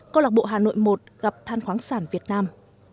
câu lạc bộ hà nội một gặp than khoáng sản việt nam